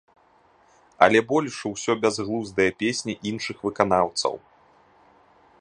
Але больш усё бязглуздыя песні іншых выканаўцаў.